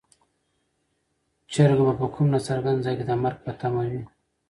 چرګه به په کوم ناڅرګند ځای کې د مرګ په تمه وي.